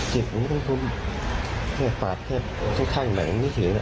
เจ็บมันก็คือฟาดแค่ทุกท่านแหละไม่เฉย